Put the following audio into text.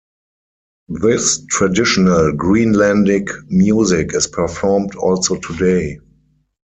This traditional Greenlandic music is performed also today.